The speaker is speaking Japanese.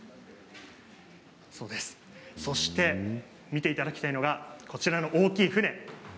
そして見ていただきたいのが大きい船。